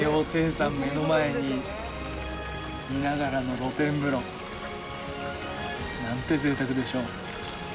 羊蹄山、目の前に見ながらの露天風呂。なんてぜいたくでしょう。